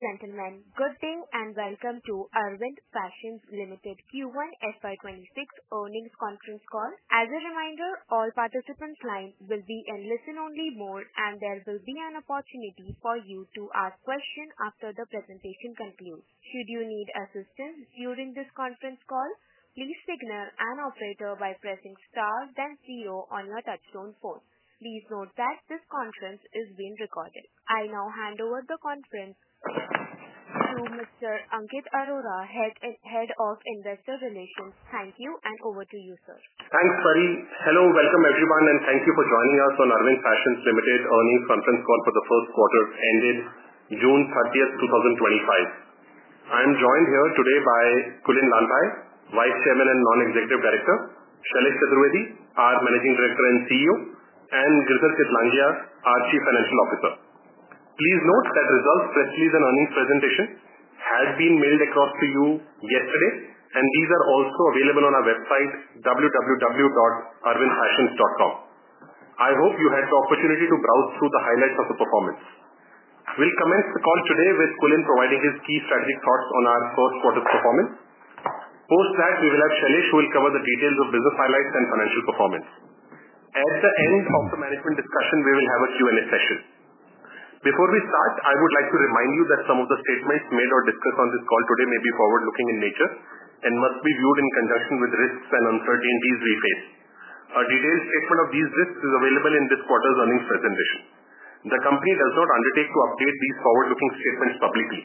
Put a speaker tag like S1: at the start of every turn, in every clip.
S1: Thank you, ma'am. Good day and welcome to Arvind Fashions Ltd Q1 FY 2026 Earnings Conference Call. As a reminder, all participants' lines will be in listen-only mode, and there will be an opportunity for you to ask questions after the presentation concludes. Should you need assistance during this conference call, please signal an operator by pressing star then zero on your touchtone phone. Please note that this conference is being recorded. I now hand over the conference to Mr. Ankit Arora, Head of Investor Relations. Thank you, and over to you, sir.
S2: Thanks, Pari. Hello, welcome everyone, and thank you for joining us on Arvind Fashions Ltd Earnings Conference Call for the first quarter ended June 30th, 2025. I am joined here today by Kulin Lalbhai, Vice Chairman and Non-Executive Director, Shailesh Chaturvedi, our Managing Director and CEO, and Girdhar Chitlangia, our Chief Financial Officer. Please note that results set forth in the earnings presentation had been mailed across to you yesterday, and these are also available on our website, www.arvindfashions.com. I hope you had the opportunity to browse through the highlights of the performance. We'll commence the call today with Kulin providing his key strategic thoughts on our first quarter's performance. After that, we will have Shailesh, who will cover the details of business highlights and financial performance. At the end of the management discussion, we will have a Q&A session. Before we start, I would like to remind you that some of the statements made or disclosed on this call today may be forward-looking in nature and must be viewed in conjunction with risks and uncertainties we face. A detailed statement of these risks is available in this quarter's earnings presentation. The company does not undertake to update these forward-looking statements publicly.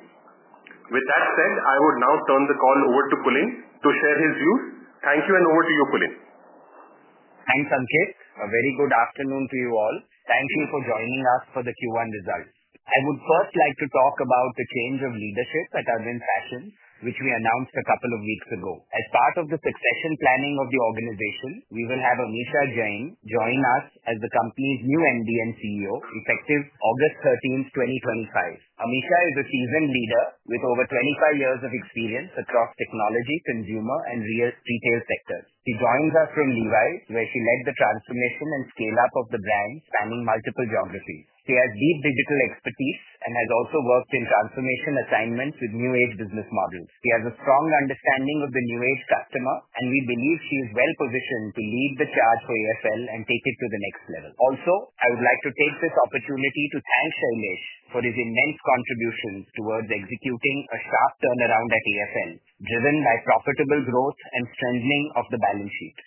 S2: With that said, I would now turn the call over to Kulin to share his views. Thank you, and over to you, Kulin.
S3: Thanks, Ankit. A very good afternoon to you all. Thank you for joining us for the Q1 results. I would first like to talk about the change of leadership at Arvind Fashions, which we announced a couple of weeks ago. As part of the succession planning of the organization, we will have Amisha Jain join us as the company's new MD and CEO, effective August 13, 2025. Amisha is a seasoned leader with over 25 years of experience across technology, consumer, and real estate retail sectors. She joins us from Levi's, where she led the transformation and scale-up of the brand, spanning multiple geograp hies. She has deep digital expertise and has also worked in transformation assignments with new age business models. She has a strong understanding of the new age customer, and we believe she is well-positioned to lead the charge for AFL and take it to the next level. Also, I would like to take this opportunity to thank Shailesh for his immense contributions towards executing a sharp turnaround at AFL, driven by profitable growth and strengthening of the balance sheet.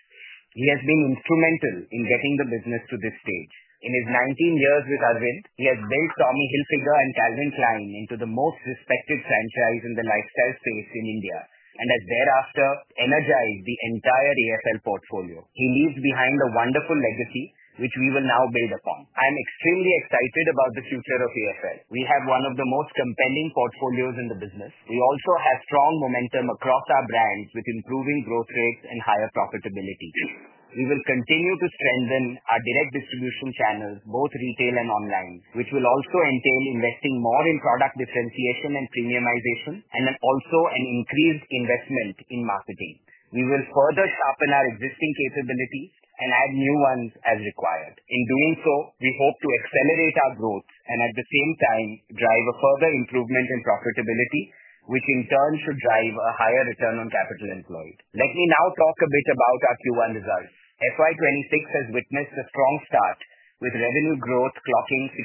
S3: He has been instrumental in getting the business to this stage. In his 19 years with Arvind, he has built Tommy Hilfiger and Calvin Klein into the most respected franchise in the lifestyle space in India, and has thereafter energized the entire AFL portfolio. He leaves behind a wonderful legacy, which we will now build upon. I am extremely excited about the future of AFL. We have one of the most compelling portfolios in the business. We also have strong momentum across our brands with improving growth rates and higher profitability too. We will continue to strengthen our direct distribution channels, both retail and online, which will also entail investing more in product differentiation and premiumization, and then also an increased investment in marketing. We will further sharpen our existing capabilities and add new ones as required. In doing so, we hope to accelerate our growth and at the same time drive a further improvement in profitability, which in turn should drive a higher return on capital employed. Let me now talk a bit about our Q1 results. FY 2026 has witnessed a strong start, with revenue growth clocking 16%,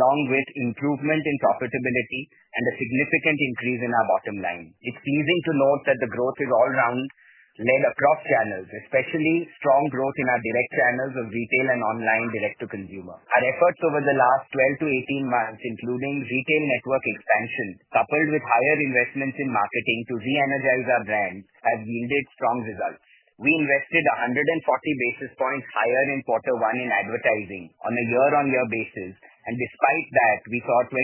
S3: along with improvement in profitability and a significant increase in our bottom line. It's pleasing to note that the growth is all-round, led across channels, especially strong growth in our direct channels of retail and online direct-to-consumer. Our efforts over the last 12 to 18 months, including retail network expansion, coupled with higher investments in marketing to re-energize our brand, have yielded strong results. We invested 140 basis points higher in quarter one in advertising on a year-on-year basis, and despite that, we saw 20%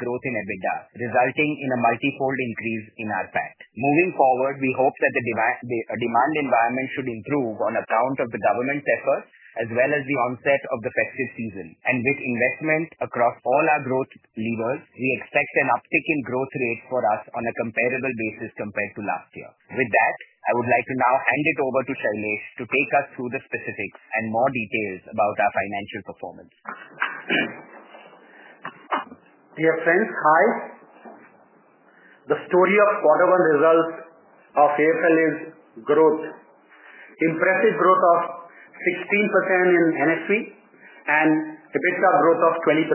S3: growth in EBITDA, resulting in a multifold increase in our PAT. Moving forward, we hope that the demand environment should improve on account of the government effort, as well as the onset of the festive season. With investments across all our growth levers, we expect an uptick in growth rates for us on a comparable basis compared to last year. With that, I would like to now hand it over to Shailesh to take us through the specifics and more details about our financial performance.
S4: Dear friends, hi. The story of quarter one results of AFL is growth. Impressive growth of 16% in NSV and EBITDA growth of 20%.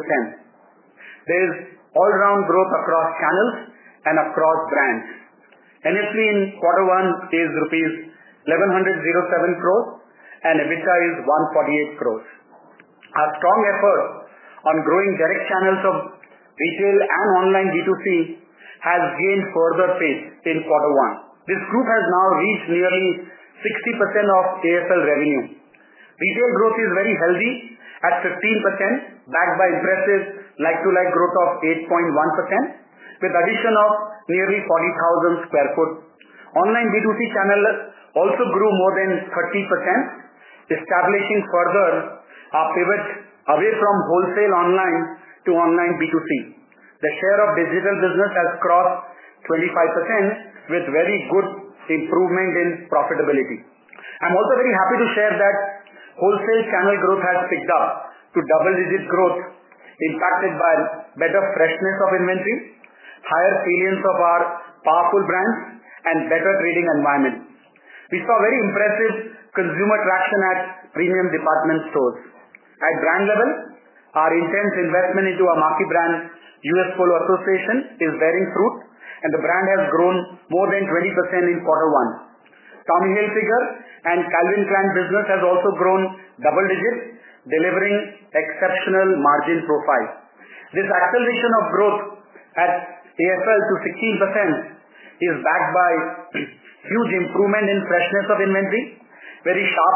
S4: There's all-around growth across channels and across brands. NSV in quarter one is rupees 1,107 crores, and EBITDA is 148 crores. Our strong effort on growing direct channels of retail and online B2C has gained further fate in quarter one. This growth has now reached nearly 60% of AFL revenue. Retail growth is very healthy at 15%, backed by impressive like-to-like growth of 8.1%, with addition of nearly 40,000 square foot. Online B2C channels also grew more than 30%, establishing further our pivot away from wholesale online to online B2C. The share of digital business has crossed 25%, with very good improvement in profitability. I'm also very happy to share that wholesale channel growth has picked up to double-digit growth, impacted by better freshness of inventories, higher clearance of our powerful brands, and better trading environment. We saw very impressive consumer traction at premium department stores. At brand level, our intense investment into our marquee brand, U.S. Polo Assn., is bearing fruit, and the brand has grown more than 20% in quarter one. Tommy Hilfiger and Calvin Klein business has also grown double digits, delivering exceptional margin profile. This acceleration of growth at AFL to 16% is backed by huge improvement in freshness of inventory, very sharp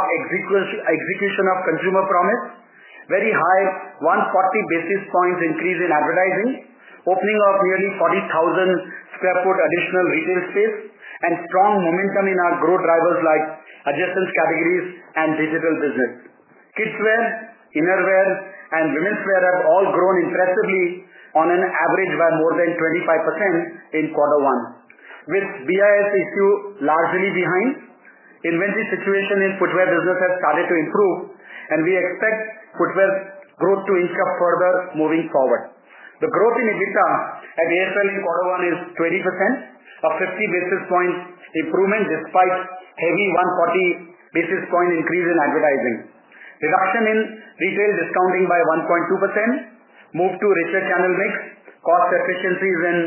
S4: execution of consumer promise, very high 140 basis points increase in advertising, opening up nearly 40,000 square foot additional retail space, and strong momentum in our growth drivers like adjacent categories and digital business. Kidswear, innerwear, and women's wear have all grown impressively on an average by more than 25% in quarter one. With BIS issue largely behind, inventory situation in footwear business has started to improve, and we expect footwear growth to inch up further moving forward. The growth in EBITDA at AFL in quarter one is 20%, a 50 basis point improvement despite heavy 140 basis point increase in advertising. Reduction in retail discounting by 1.2%, move to richer channel mix, cost efficiencies in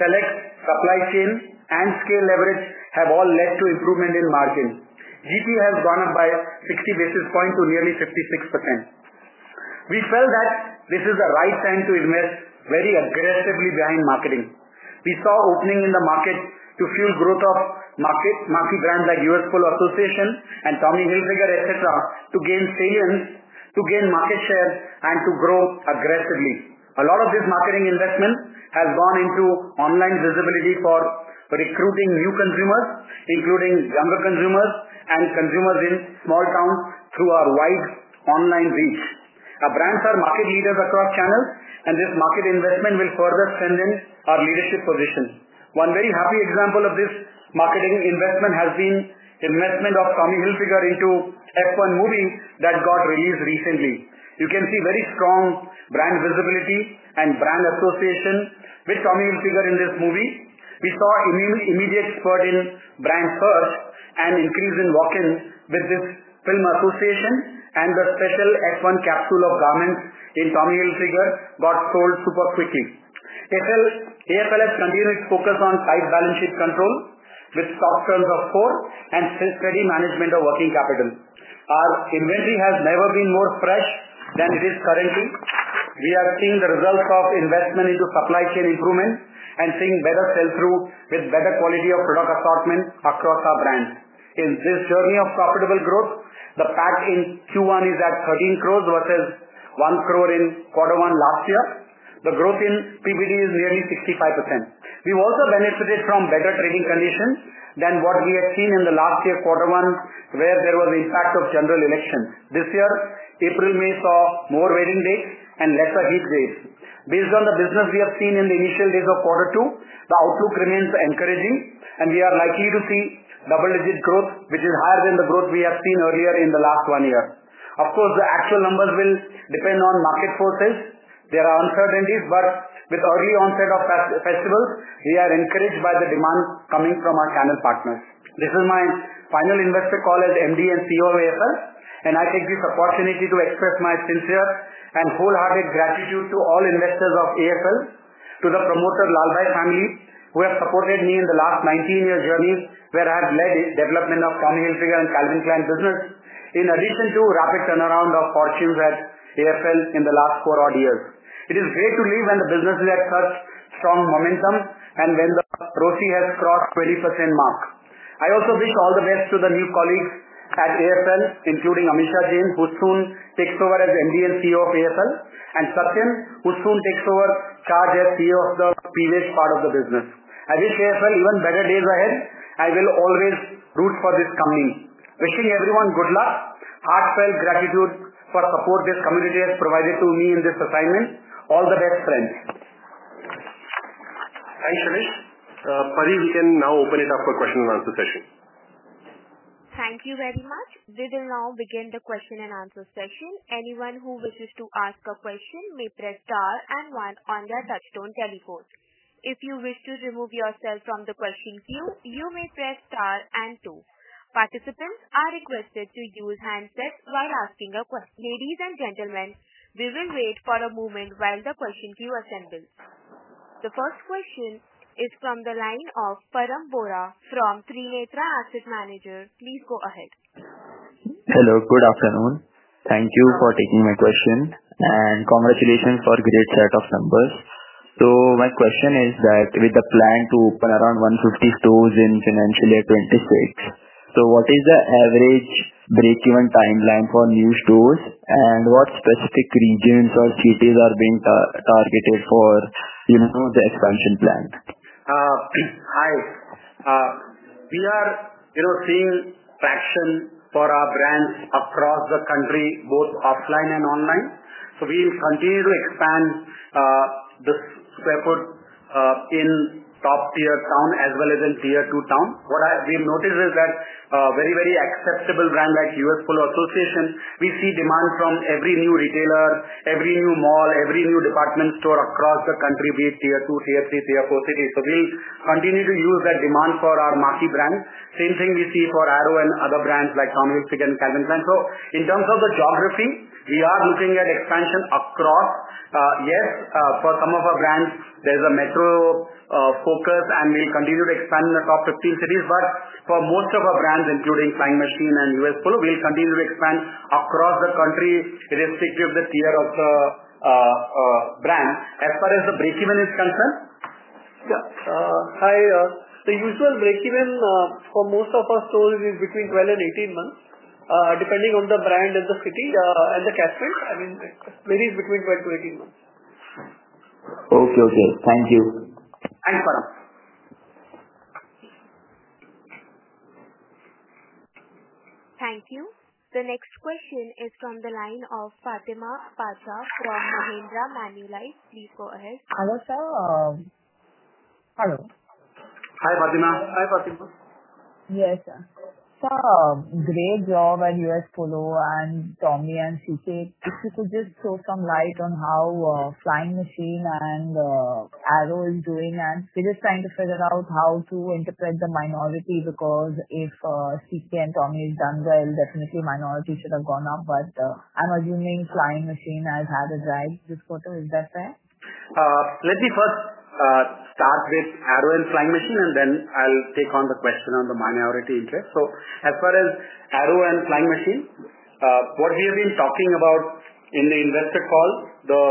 S4: select supply chain, and scale leverage have all led to improvement in marketing. GP has gone up by 60 basis points to nearly 56%. We felt that this is the right time to invest very aggressively behind marketing. We saw opening in the market to fuel growth of marquee brands like U.S. Polo Assn. and Tommy Hilfiger, etc., to gain salience, to gain market share, and to grow aggressively. A lot of this marketing investment has gone into online visibility for recruiting new consumers, including younger consumers and consumers in small towns through our wide online reach. Our brands are market leaders across channels, and this market investment will further strengthen our leadership positions. One very happy example of this marketing investment has been the investment of Tommy Hilfiger into F1 movie that got released recently. You can see very strong brand visibility and brand association with Tommy Hilfiger in this movie. We saw an immediate spurt in brand search and increase in walk-ins with this film association, and the special F1 capsule of garments in Tommy Hilfiger got sold super quickly. AFL has continued to focus on tight balance sheet control, with stock turns of four and steady management of working capital. Our inventory has never been more fresh than it is currently. We are seeing the results of investment into supply chain improvements and seeing better sell-through with better quality of product assortment across our brands. In this journey of profitable growth, the PAT in Q1 is at 13 crores versus 1 crore in quarter one last year. The growth in PBT is nearly 65%. We've also benefited from better trading conditions than what we have seen in the last year quarter one, where there was the impact of general elections. This year, April and May saw more wedding days and lesser heat waves. Based on the business we have seen in the initial days of quarter two, the outlook remains encouraging, and we are likely to see double-digit growth, which is higher than the growth we have seen earlier in the last one year. Of course, the actual numbers will depend on market forecasts. There are uncertainties, but with early onset of festivals, we are encouraged by the demand coming from our channel partners. This is my final investor call as MD and CEO of AFL, and I take this opportunity to express my sincere and wholehearted gratitude to all investors of AFL, to the promoter Lalbhai family, who have supported me in the last 19-year journey where I have led the development of Tommy Hilfiger and Calvin Klein business, in addition to the rapid turnaround of fortunes at AFL in the last four-odd years. It is great to leave when the business is at such strong momentum and when the ROCE has crossed the 20% mark. I also wish all the best to the new colleagues at AFL, including Amisha Jain, who soon takes over as MD and CEO of AFL, and Satyen, who soon takes over charge as CEO of the PVH part of the business. I wish AFL even better days ahead. I will always root for this company. Wishing everyone good luck. Heartfelt gratitude for the support this community has provided to me in this assignment. All the best, friends.
S2: Thanks, Shailesh. Pari, we can now open it up for question and answer session.
S1: Thank you very much. We will now begin the question and answer session. Anyone who wishes to ask a question may press star and one on their touchstone telephone. If you wish to remove yourself from the question queue, you may press star and two. Participants are requested to use handsets while asking a question. Ladies and gentlemen, we will wait for a moment while the question queue assembles. The first question is from the line of Param Vora, from Trinetra Asset Managers. Please go ahead.
S5: Hello. Good afternoon. Thank you for taking my question and congratulations for a great set of numbers. My question is that with the plan to open around 150 stores in financial year 2026, what is the average break-even timeline for new stores? What specific regions or cities are being targeted for the expansion plan?
S4: Hi. We are, you know, seeing passion for our brands across the country, both offline and online. We continue to expand the square foot in top-tier town as well as in Tier 2 town. What we've noticed is that very, very acceptable brands like U.S. Polo Assn., we see demand from every new retailer, every new mall, every new department store across the country, be it Tier 2, Tier 3, Tier 4 cities. We continue to use that demand for our marquee brand. Same thing we see for Arrow and other brands like Tommy Hilfiger and Calvin Klein. In terms of the geography, we are looking at expansion across. Yes, for some of our brands, there's a metro focus, and we'll continue to expand in the top 15 cities. For most of our brands, including Flying Machine and U.S. Polo, we will continue to expand across the country to give the tier of the brand. As far as the break-even is concerned?
S6: Yeah. Hi. The usual break-even for most of our stores is between 12 months and 18 months, depending on the brand and the city and the catchment. It varies between 12 months-18 months.
S5: Okay, okay. Thank you.
S6: Thanks, Param.
S1: Thank you. The next question is from the line of Fatema Pacha from Mahindra Manulife. Please go ahead.
S7: Hello, sir. Hello.
S4: Hi, Fatema.
S7: Yes, sir. Sir, great job U.S. Polo and Tommy and CK. Could you just shed some light on how Flying Machine and Arrow are doing? We're just trying to figure out how to interpret the minority because if CK and Tommy have done well, definitely minority should have gone up. I'm assuming Flying Machine has had a drag this quarter. Is that fair?
S4: Let me first start with Arrow and Flying Machine, and then I'll take on the question on the minority interest. As far as Arrow and Flying Machine, what we have been talking about in the investor call, the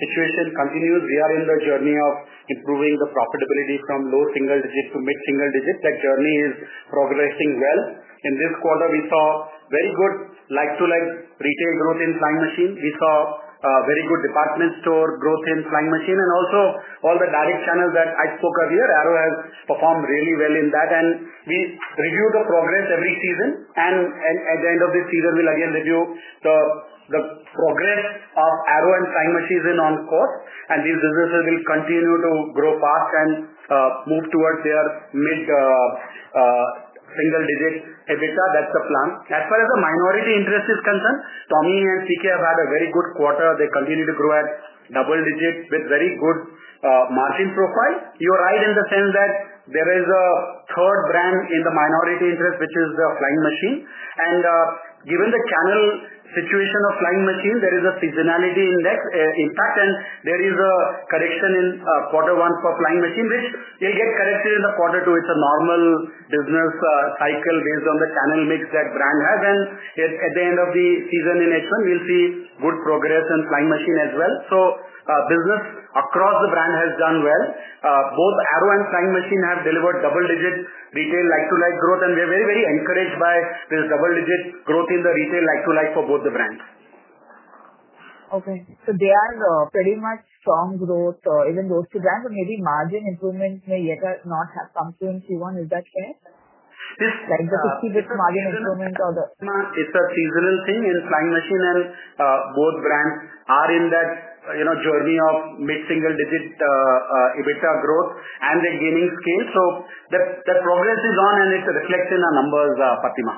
S4: situation continues. We are in the journey of improving the profitability from low single digits to mid-single digits. That journey is progressing well. In this quarter, we saw very good like-to-like retail growth in Flying Machine. We saw very good department store growth in Flying Machine, and also, all the direct channels that I spoke earlier, Arrow has performed really well in that. We review the progress every season. At the end of this season, we'll again review the progress of Arrow and Flying Machine is on-course. These businesses will continue to grow fast and move towards their mid-single-digit EBITDA. That's the plan. As far as the minority interest is concerned, Tommy and CK have had a very good quarter. They continue to grow at double digits with very good margin profiles. You're right in the sense that there is a third brand in the minority interest, which is the Flying Machine. Given the channel situation of Flying Machine, there is a seasonality index, in fact, and there is a correction in quarter one for Flying Machine, which will get corrected in quarter two. It's a normal business cycle based on the channel mix that brand has. At the end of the season in H1, we'll see good progress in Flying Machine as well. Business across the brand has done well. Both Arrow and Flying Machine have delivered double-digit retail like-to-like growth. We're very, very encouraged by this double-digit growth in the retail like-to-like for both the brands.
S7: Okay. They are in a pretty much strong growth, even those two brands. Maybe margin improvements may yet not have come through in Q1. Is that true? Just like the 50-digit margin improvements or the...
S4: It's a seasonal thing in Flying Machine. Both brands are in that journey of mid-single-digit EBITDA growth, and they're gaining scale. That progress is on, and it's a reflection on numbers, Fatema.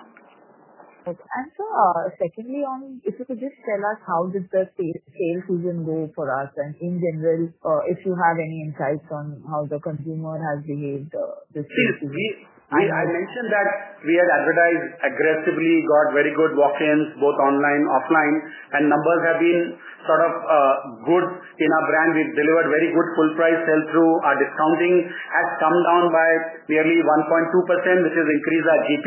S7: Thanks. Sir, secondly, if you could just tell us how did the sales season go for us? In general, if you have any insights on how the consumer has behaved this season.
S4: I mentioned that we had advertised aggressively, got very good walk-ins, both online and offline, and numbers have been sort of good in our brand. We've delivered very good full-price sell-through. Our discounting has come down by nearly 1.2%, which has increased our GP.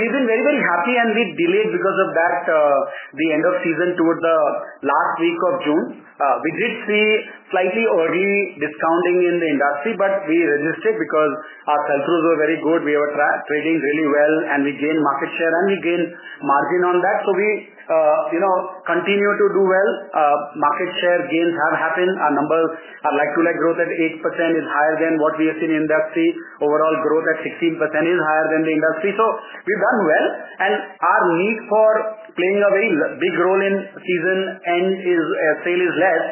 S4: We've been very, very happy. We delayed because of that the end of season toward the last week of June. We did see slightly early discounting in the industry, but we resisted because our sell-throughs were very good. We were trading really well, we gained market share, and we gained margin on that. We continue to do well. Market share gains have happened. Our numbers, our like-to-like growth at 8% is higher than what we have seen in the industry. Overall growth at 16% is higher than the industry. We've done well. Our need for playing a very big role in season end sale is less.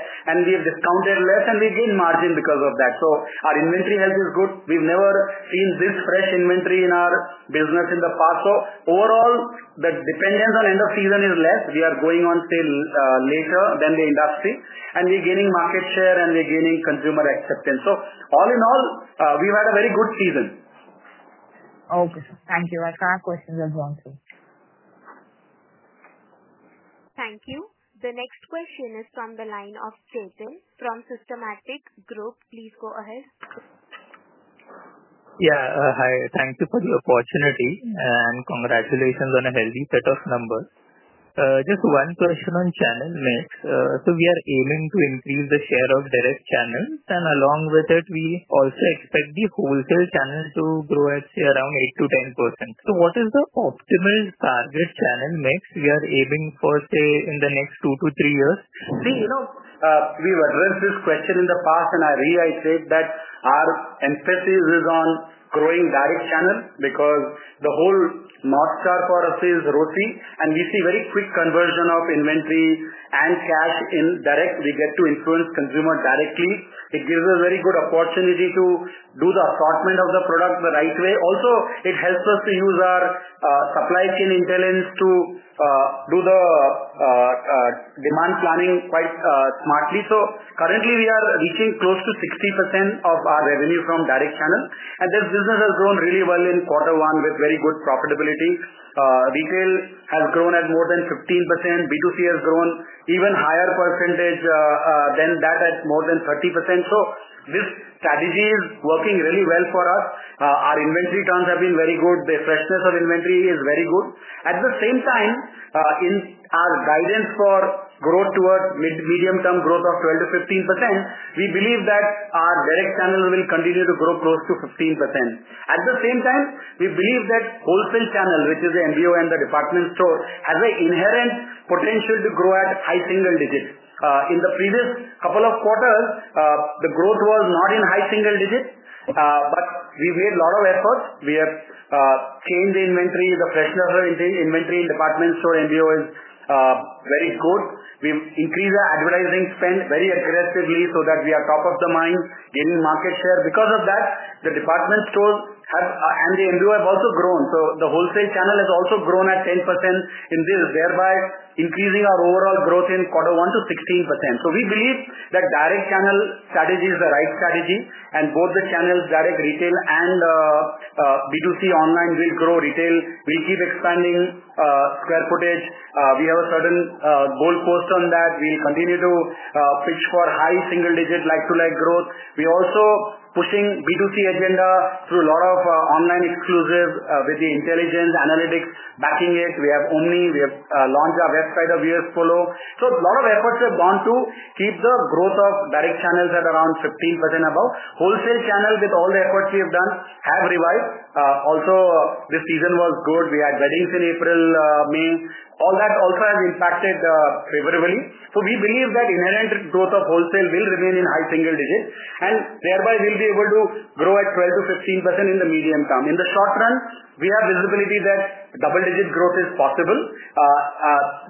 S4: We've discounted less, we've gained margin because of that. Our inventory health is good. We've never seen this fresh inventory in our business in the past. Overall, the dependence on end of season is less. We are going on sale later than the industry. We're gaining market share, and we're gaining consumer acceptance. All in all, we've had a very good season.
S7: Okay, sir. Thank you.
S1: Thank you. The next question is from the line of Chetan, from Systematix Group. Please go ahead. Hi. Thank you for the opportunity. Congratulations on a healthy set of numbers. Just one question on channel mix. We are aiming to increase the share of direct channel. Along with it, we also expect the wholesale channel to grow at around 8%-10%. What is the optimal target channel mix we are aiming for in the next two to three years?
S4: See, you know, we've addressed this question in the past. I reiterate that our emphasis is on growing direct channel because the whole north star for us is ROCE. We see very quick conversion of inventory and cash in direct. We get to influence consumer directly. It gives us a very good opportunity to do the assortment of the product the right way. It also helps us to use our supply chain intelligence to do the demand planning quite smartly. Currently, we are reaching close to 60% of our revenue from direct channel. This business has grown really well in quarter one with very good profitability. Retail has grown at more than 15%. B2C has grown even higher percentage than that at more than 30%. This strategy is working really well for us. Our inventory turns have been very good. The freshness of inventory is very good. At the same time, in our guidance for growth toward mid to medium-term growth of 12%-15%, we believe that our direct channel will continue to grow close to 15%. At the same time, we believe that wholesale channel, which is the MBO and the department store, has an inherent potential to grow at high single digits. In the previous couple of quarters, the growth was not in high single digits, but we've made a lot of efforts. We have changed the inventory, the freshness of inventory in department store and MBO is very good. We increased our advertising spend very aggressively so that we are top of the mind, gaining market share. Because of that, the department stores and the MBO have also grown. The wholesale channel has also grown at 10% in this, thereby increasing our overall growth in quarter one to 16%. We believe that direct channel strategy is the right strategy. Both the channels, direct retail and B2C online, will grow. Retail, we'll keep expanding square footage. We have a certain goalpost on that. We continue to push for high single-digit like-to-like growth. We're also pushing B2C agenda through a lot of online exclusives with the intelligence analytics backing it. We have only launched our website of U.S. Polo. A lot of efforts have gone to keep the growth of direct channels at around 15% above. Wholesale channel, with all the efforts we've done, have revived. This season was good. We had weddings in April, May. All that also has impacted favorably. We believe that inherent growth of wholesale will remain in high single digits, and thereby we'll be able to grow at 12%-15% in the medium term. In the short run, we have visibility that double-digit growth is possible.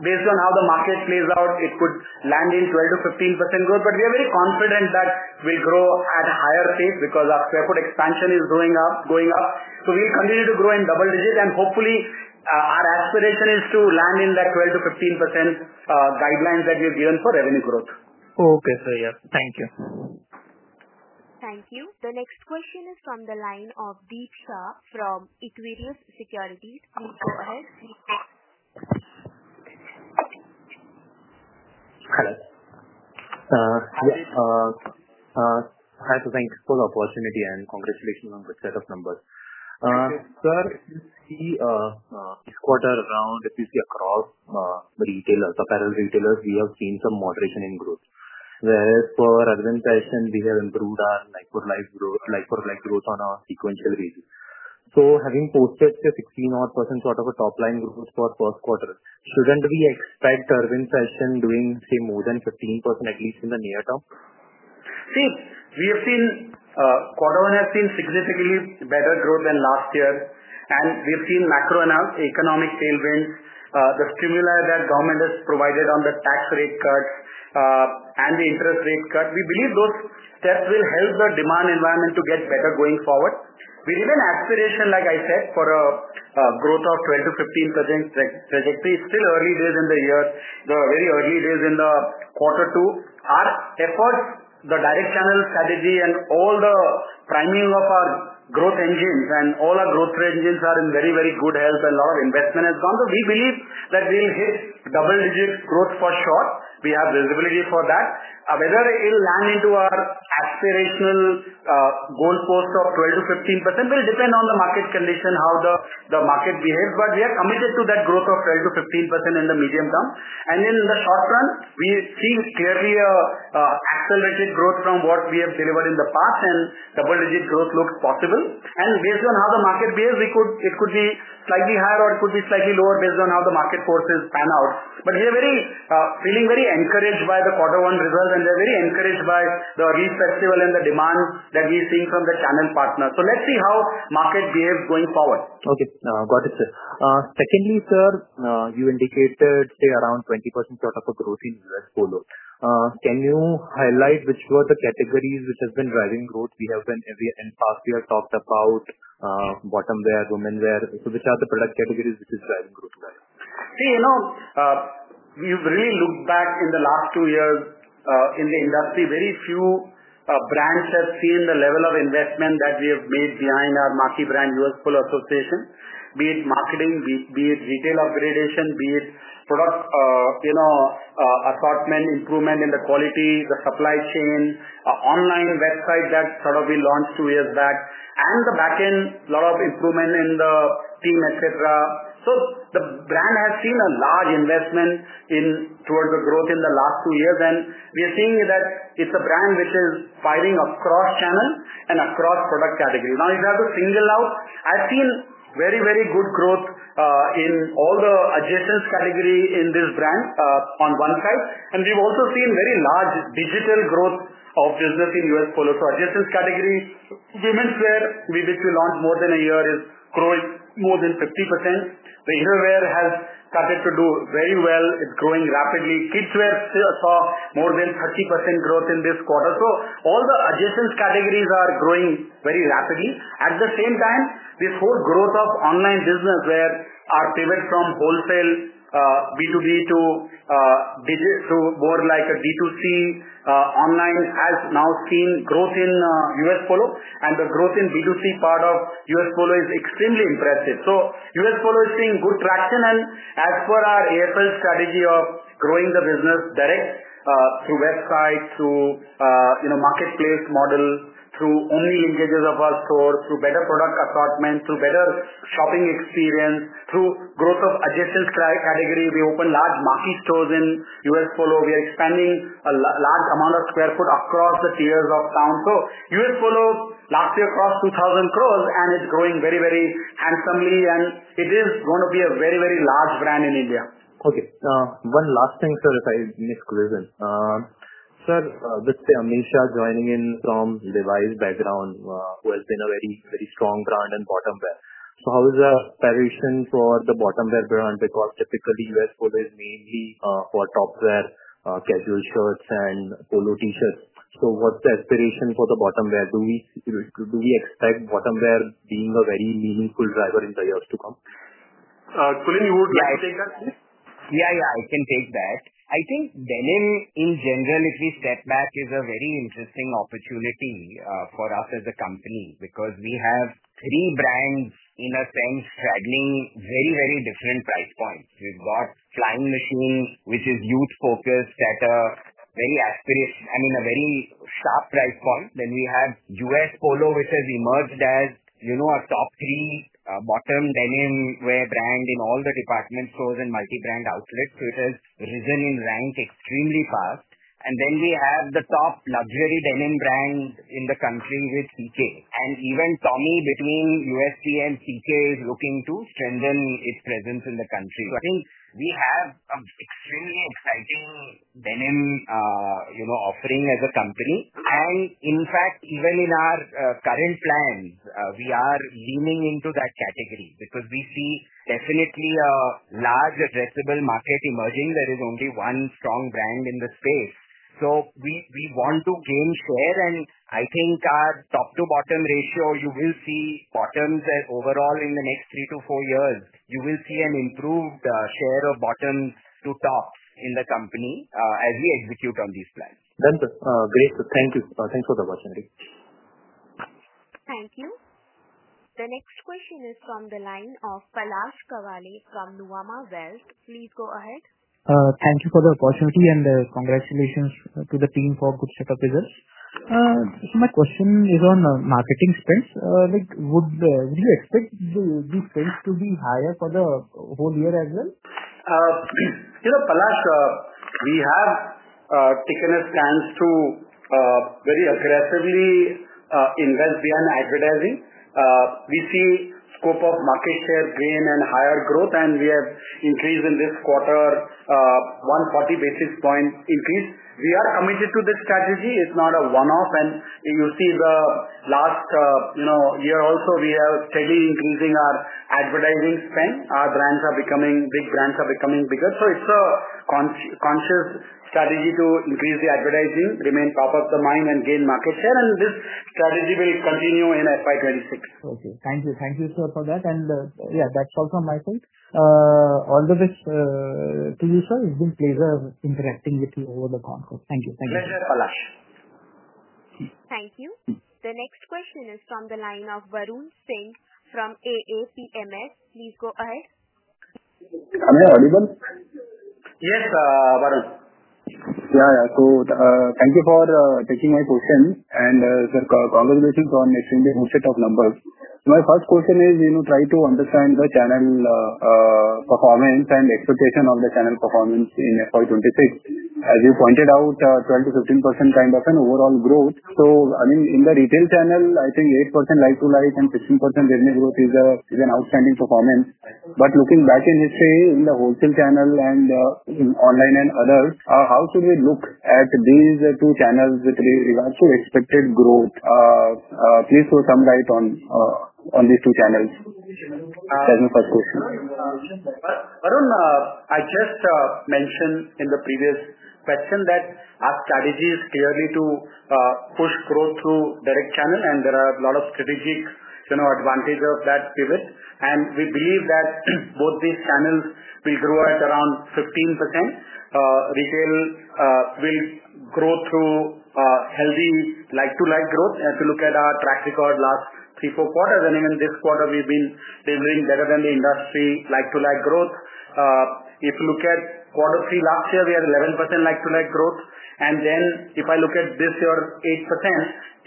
S4: Based on how the market plays out, it could land in 12%-15% growth. We are very confident that we grow at a higher pace because our square foot expansion is going up, going up. We'll continue to grow in double digits. Hopefully, our aspiration is to land in that 12%-15% guidelines that we've given for revenue growth. Okay, sir. Thank you.
S1: Thank you. The next question is from the line of Deep Shah from Equirus Securities. Please go ahead.
S8: I have to thank you for the opportunity and congratulations on the set of numbers. Sir, we see this quarter around, if you see across the retailers, the parallel retailers, we have seen some moderation in growth. Whereas for Arvind Fashion, we have improved our like-to-like growth on our sequential basis. Having posted the 16%-odd sort of a top-line growth for the first quarter, shouldn't we expect Arvind Fashion to be doing, say, more than 15% at least in the near term?
S4: See, we have seen quarter one has seen significantly better growth than last year. We've seen macroeconomic changes, the stimuli that government has provided on the tax rate cuts and the interest rate cut. We believe those steps will help the demand environment to get better going forward. We have an aspiration, like I said, for a growth of 12%-15% trajectory. It's still early days in the year, the very early days in the quarter two. Our efforts, the direct channel strategy, and all the priming of our growth engines, and all our growth engines are in very, very good health. A lot of investment has gone there. We believe that we'll hit double-digit growth for sure. We have visibility for that. Whether it'll land into our aspirational goalpost of 12%-15% will depend on the market condition, how the market behaves. We are committed to that growth of 12%-15% in the medium term. In the short run, we've seen clearly an accelerated growth from what we have delivered in the past. Double-digit growth looks possible. Based on how the market behaves, it could be slightly higher or it could be slightly lower based on how the market forces pan out. We are feeling very encouraged by the quarter one result, and we're very encouraged by the early festival and the demand that we're seeing from the channel partners. Let's see how the market behaves going forward.
S8: Okay. I've got it, sir. Secondly, sir, you indicated, say, around 20% sort of a growth U.S. Polo. Can you highlight which were the categories which have been driving growth? We have been in the past years talked about bottom wear, women wear. Which are the product categories which are driving growth?
S4: See, you know, if you really look back in the last two years, in the industry, very few brands have seen the level of investment that we have made behind our marquee brand, U.S. Polo Assn. Be it marketing, be it retail upgradation, be it product assortment improvement in the quality, the supply chain, online website that we launched two years back, and the back end, a lot of improvement in the team, etc. The brand has seen a large investment towards the growth in the last two years. We're seeing that it's a brand which is firing across channels and across product categories. If I have to single out, I've seen very, very good growth in all the adjacent category in this brand on one side. We've also seen very large digital growth of business in U.S. Polo. Adjacent category, womenswear, which we launched more than a year ago, is growing more than 50%. The innerwear has started to do very well. It's growing rapidly. Kidswear saw more than 30% growth in this quarter. All the adjacent categories are growing very rapidly. At the same time, this whole growth of online business, where our pivot from wholesale B2B to more like a D2C online, has now seen growth in U.S. Polo. The growth in B2C part of U.S. Polo is extremely impressive. U.S. Polo is seeing good traction. As per our AFL strategy of growing the business direct through websites, through marketplace model, through omni linkages of our store, through better product assortment, through better shopping experience, through growth of adjacent category, we opened large marquee stores in U.S. Polo. We are expanding a large amount of square foot across the tiers of town. U.S. Polo last year crossed 2,000 crores, and it's growing very, very handsomely. It is going to be a very, very large brand in India.
S8: Okay. One last thing if I may squeeze in. Sir, let's say Amisha joining in from Levi's background, who has been a very, very strong brand in bottom wear. How is the aspiration for the bottom wear brand? Typically, U.S. Polo is mainly for top wear, casual shirts, and polo t-shirts. What's the aspiration for the bottom wear? Do we expect bottom wear being a very meaningful driver in the years to come?
S2: Kulin, you would like to take that?
S3: Yeah, I can take that. I think denim, in general, if we step back, is a very interesting opportunity for us as a company because we have three brands, in a sense, straddling very, very different price points. We've got Flying Machine, which is youth-focused, at a very aspirational, I mean, a very sharp price point. Then we have U.S. Polo, which has emerged as, you know, our top three bottom denim wear brands in all the department stores and multi-brand outlets. It has risen in rank extremely fast. Then we have the top luxury denim brand in the country, which is CK. Even Tommy, between USPA and CK, is looking to strengthen its presence in the country. I think we have an extremely exciting denim offering as a company. In fact, even in our current plans, we are leaning into that category because we see definitely a large addressable market emerging. There is only one strong brand in the space. We want to gain share. I think our top-to-bottom ratio, you will see bottoms overall in the next three to four years. You will see an improved share of bottoms to tops in the company as we execute on these plans.
S8: Very good. Thank you. Thanks for the opportunity.
S1: Thank you. The next question is from the line of Palash Kawale from Nuvama Wealth. Please go ahead.
S9: Thank you for the opportunity and congratulations to the team for a good set of results. My question is on marketing spends. Would you expect the spend to be higher for the whole year as well?
S4: You know, Palash, we have taken a stance to very aggressively invest in advertising. We see the scope of market share gain and higher growth. We have increased in this quarter, 140 basis point increase. We are committed to this strategy. It's not a one-off. You will see the last year also, we are steadily increasing our advertising spend. Our brands are becoming big, brands are becoming bigger. It is a conscious strategy to increase the advertising, remain top of the mind, and gain market share. This strategy will continue in FY 2026.
S9: Okay. Thank you. Thank you, sir, for that. Yeah, that's all from my side. All the best to you, sir. It's been a pleasure interacting with you over the conference. Thank you. Thank you.
S4: Thank you, PalashA.
S1: Thank you. The next question is from the line of Varun Singh from AAA PMS. Please go ahead.
S10: You're on, audible?
S4: Yes, Varun.
S10: Thank you for taking my question. Sir, congratulations on an extremely huge set of numbers. My first question is, you know, trying to understand the channel performance and expectation on the channel performance in FY 2026. As you pointed out, 12%-15% kind of an overall growth. In the retail channel, I think 8% like-to-like and 16% revenue growth is an outstanding performance. Looking back in history, in the wholesale channel and in online and others, how should we look at these two channels with regards to expected growth? Please shethrow some light on these two channels.
S4: Varun, I just mentioned in the previous question that our strategy is clearly to push growth through direct channel. There are a lot of strategic, you know, advantages of that pivot. We believe that if both these channels we grow at around 15%. Retail will grow through healthy like-to-like growth. If you look at our track record last three, four quarters, I mean, in this quarter, we've been labeling better than the industry like-to-like growth. If you look at quarter three last year, we had 11% like-to-like growth. If I look at this year,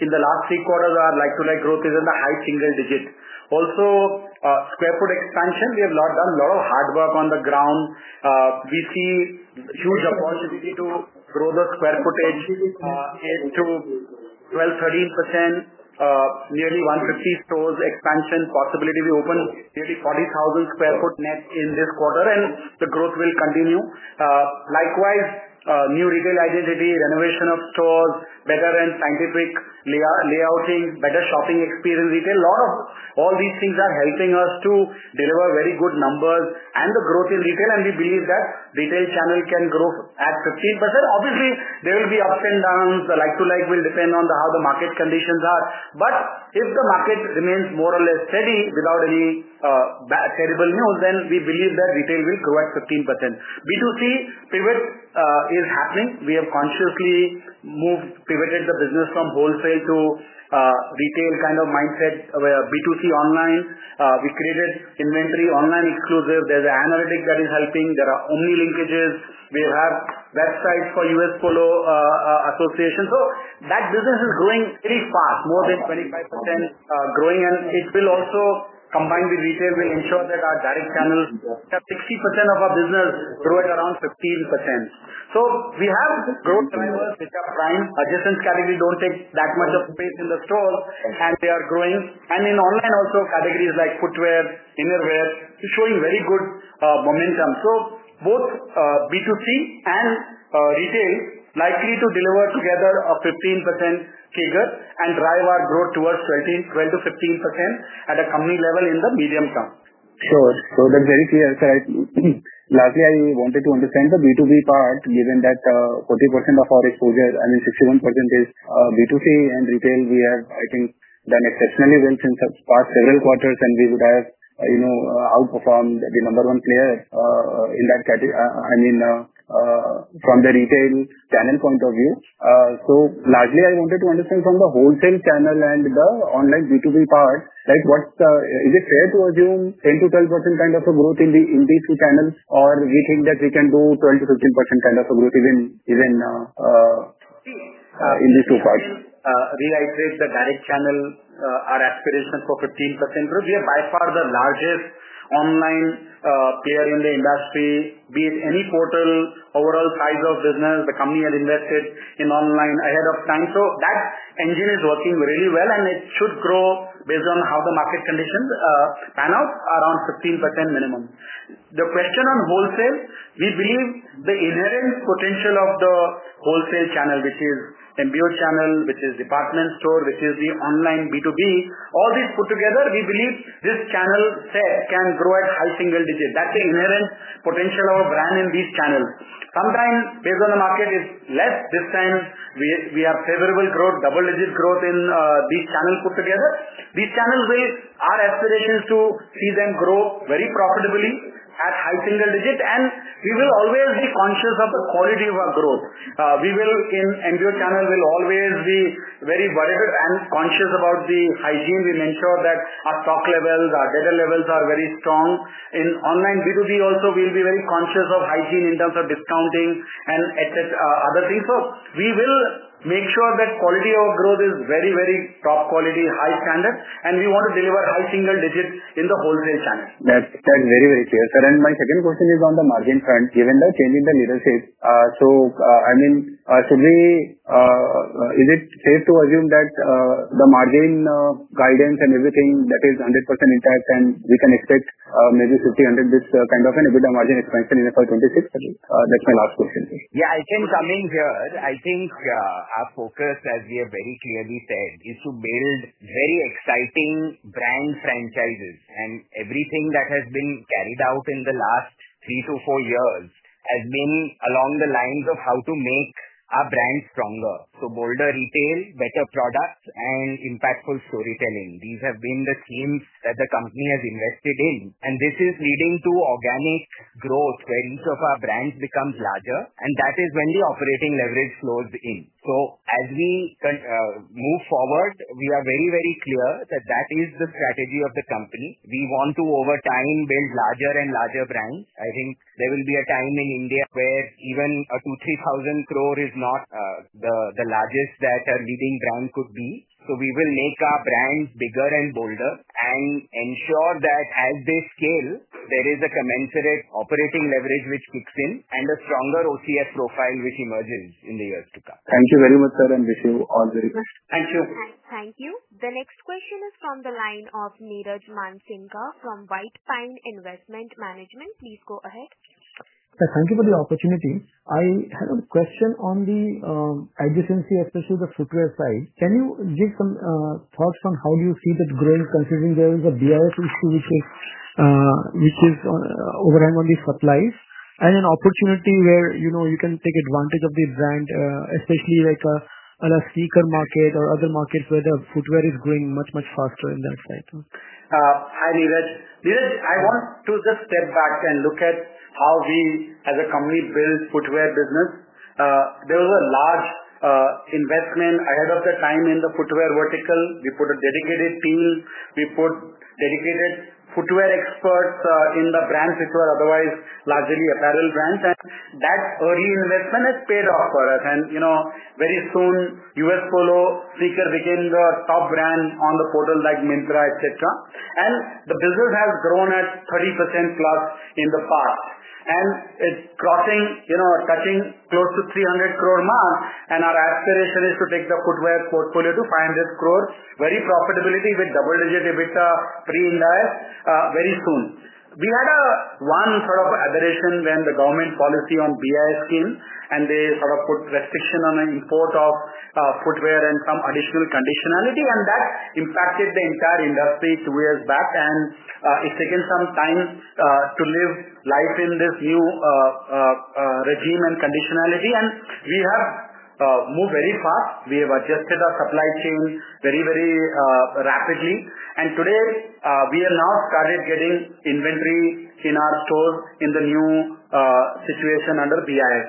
S4: 8% in the last three quarters, our like-to-like growth is in the high single digit. Also, square foot expansion, we have done a lot of hard work on the ground. We see huge opportunity to grow the square footage. It's to 12%, 13%, nearly 150 stores expansion possibility. We opened nearly 40,000 square foot net in this quarter, and the growth will continue. Likewise, new retail identity, renovation of stores, better and scientific layouting, better shopping experience in retail. A lot of all these things are helping us to deliver very good numbers and the growth in retail. We believe that retail channel can grow at 15%. Obviously, there will be ups and downs. The like-to-like will depend on how the market conditions are. If the market remains more or less steady without any terrible news, then we believe that retail will grow at 15%. B2C pivot is happening. We have consciously moved, pivoted the business from wholesale to retail kind of mindsets. We have B2C online. We created inventory online exclusives. There's an analytic that is helping. There are omni-linkages. We have websites for U.S. Polo Assn. That business is growing pretty fast, more than 25% growing. It will also, combined with retail, will ensure that our direct channels at 60% of our business grow at around 15%. We have growth drivers which are prime. Adjacent categories don't take that much of a place in the stores, and they are growing. In online, also categories like footwear, innerwear, showing very good momentum. Both B2C and retail is likely to deliver together a 15% CAGR and drive our growth towards 12%-5% at a company level in the medium term.
S10: That's very clear. Lastly, I wanted to understand the B2B part, given that 40% of our exposure, I mean, 61% is B2C and retail. We have, I think, done exceptionally well since the past several quarters, and we would have outperformed the number one player in that category from the retail channel point of view. Lastly, I wanted to understand from the wholesale channel and the online B2B part, is it fair to assume 10%-12% kind of a growth in these two channels, or do you think that we can do 12%-15% kind of a growth even in these two parts?
S4: I will reiterate the direct channel, our aspiration for 15% growth. We are by far the largest online player in the industry. Be it any portal, overall size of business, the company has invested in online ahead of time. That engine is working really well, and it should grow based on how the market conditions pan out around 15% minimum. The question on wholesale, we believe the inherent potential of the wholesale channel, which is MBO channel, which is department store, which is the online B2B, all these put together, we believe this channel can grow at high single digits. That's the inherent potential of a brand in these channels. Sometimes, based on the market, it's less. This time, we have favorable growth, double-digit growth in these channels put together. These channels, our aspiration is to see them grow very profitably at high single digits. We will always be conscious of the quality of our growth. In MBO channel, we will always be very worried and conscious about the hygiene. We make sure that our stock levels, our data levels are very strong. In online B2B, also, we'll be very conscious of hygiene in terms of discounting and other things. We will make sure that the quality of our growth is very, very top quality, high standard. We want to deliver high single digits in the wholesale channel.
S10: That's very, very clear, sir. My second question is on the margin front, given the change in the leadership. Is it safe to assume that the margin guidance and everything, that is 100% intact, and we can expect maybe 50-100 bps kind of an EBITDA margin expansion in FY 2026? That's my last question.
S3: I think our focus, as we have very clearly said, is to build very exciting brand franchises. Everything that has been carried out in the last three to four years has been along the lines of how to make our brands stronger. Bolder retail, better products, and impactful storytelling have been the themes that the company has invested in. This is leading to organic growth where each of our brands becomes larger. That is when the operating leverage flows in. As we move forward, we are very, very clear that is the strategy of the company. We want to, over time, build larger and larger brands. I think there will be a time in India where even 2,000 crores, 3,000 crore is not the largest that a leading brand could be. We will make our brands bigger and bolder and ensure that as they scale, there is a commensurate operating leverage which kicks in and a stronger OCF profile which emerges in the years to come.
S10: Thank you very much, sir, and wish you all the best.
S3: Thank you.
S1: Thank you. The next question is from the line of Niraj Mansingka from White Pine Investment Management. Please go ahead.
S11: Sir, thank you for the opportunity. I have a question on the adjacency, especially the footwear side. Can you give some thoughts on how you see that growing considering there is a BIS issue, which is overrun on the supplies? And an opportunity where you can take advantage of the brand, especially like a sneaker market or other markets where the footwear is growing much, much faster in that side?
S4: Hi, Niraj. Niraj, I want to just step back and look at how we, as a company, build footwear business. There was a large investment ahead of the time in the footwear vertical. We put a dedicated team. We put dedicated footwear experts in the brands which were otherwise largely apparel brands. That early investment has paid off for us. You know, very soon, U.S. Polo sneakers became the top brand on the portal like Myntra, etc. The business has grown at +30%in the past. It's crossing, you know, touching close to 300 crore a month. Our aspiration is to take the footwear portfolio to 500 crore, very profitability with double-digit EBITDA pre-IndAS very soon. We had one sort of aberration when the government policy on BIS came and they put restriction on the import of footwear and some additional conditionality. That impacted the entire industry two years back. It's taken some time to live life in this new regime and conditionality. We have moved very fast. We have adjusted our supply chain very, very rapidly. Today, we have now started getting inventory in our stores in the new situation under BIS.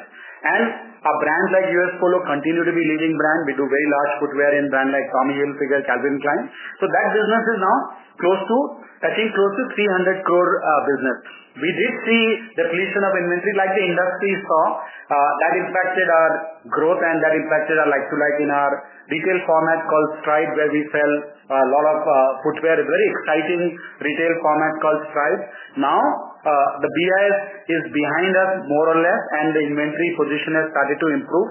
S4: Our brands like U.S. Polo continue to be leading brands. We do very large footwear in brands like Tommy Hilfiger, Calvin Klein. That business is now close to, I think, close to 300 crore business. We did see the depletion of inventory like the industry saw that impacted our growth and that impacted our like-to-like in our retail format called Stride, where we sell a lot of footwear. It's a very exciting retail format called Stride. Now the BIS is behind us more or less, and the inventory position has started to improve.